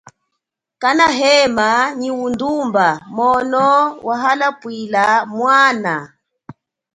Kana hema nyi udumba mono wahapwila mwana.